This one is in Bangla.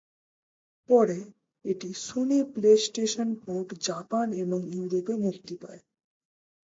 পরে, একটি সনি প্লেস্টেশন পোর্ট জাপান এবং ইউরোপে মুক্তি পায়।